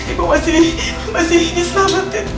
ibu masih masih ingin selamat ya